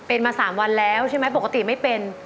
เป็นมา๓วันแล้วใช่ไหมปกติไม่เป็น